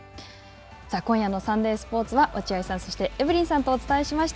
今夜のサンデースポーツは落合さん、そしてエブリンさんとお伝えしました。